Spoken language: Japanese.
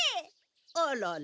あらら。